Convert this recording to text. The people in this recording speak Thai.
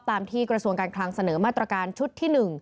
ที่กระทรวงการคลังเสนอมาตรการชุดที่๑